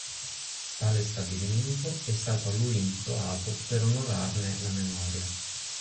Tale stabilimento è stato a lui intitolato per onorarne la memoria..